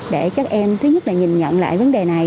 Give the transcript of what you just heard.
để các em thứ nhất là nhìn nhận lại vấn đề này